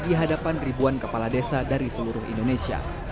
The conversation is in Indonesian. di hadapan ribuan kepala desa dari seluruh indonesia